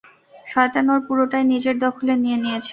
শয়তান ওর পুরোটাই নিজের দখলে নিয়ে নিয়েছে।